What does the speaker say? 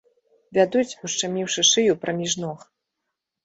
Вядуць, ушчаміўшы шыю праміж ног.